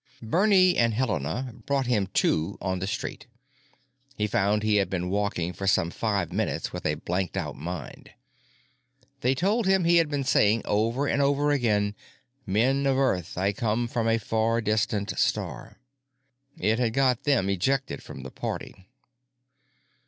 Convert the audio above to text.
Bernie and Helena brought him to on the street. He found he had been walking for some five minutes with a blanked out mind. They told him he had been saying over and over again, "Men of Earth, I come from a far distant star." It had got them ejected from the party.